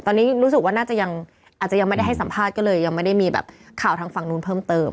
ตอนนี้รู้สึกว่าน่าจะยังอาจจะยังไม่ได้ให้สัมภาษณ์ก็เลยยังไม่ได้มีแบบข่าวทางฝั่งนู้นเพิ่มเติม